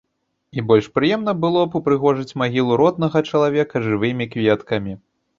І больш прыемна было б упрыгожыць магілу роднага чалавека жывымі кветкамі.